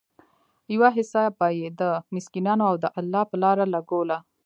يوه حيصه به ئي د مسکينانو او د الله په لاره لګوله